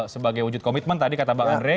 sebagai wujud komitmen tadi kata bang andre